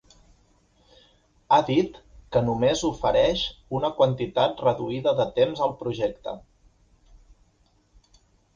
Ha dit que "només ofereix una quantitat reduïda de temps" al projecte.